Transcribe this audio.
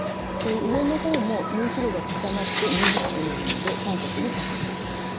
上の方も縫い代が重なって縫いにくくなるので三角にカットして下さい。